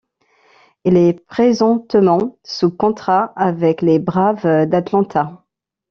Il est présentement sous contrat avec les Braves d'Atlanta.